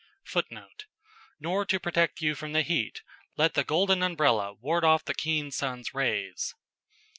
[Footnote: "Nor to protect you from the heat, let the golden umbrella ward off the keen sun's rays."